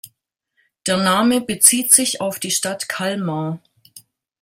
Der Name bezieht sich auf die Stadt Kalmar.